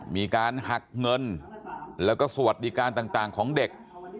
มีการหักเงินแล้วก็สวัสดิการต่างของเด็ก